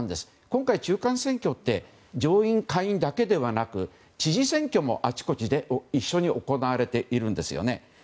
今回、中間選挙って上院・下院だけではなく知事選挙もあちこちで一緒に行われているんですよね。